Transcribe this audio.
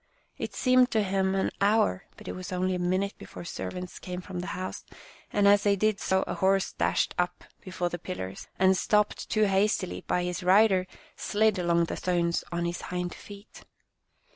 It seemed to him an hour, but it was only a minute before servants came from the house, and as they did so a horse dashed up before the pillars, and, stopped too hastily by his rider, slid along the stones on his hind feet.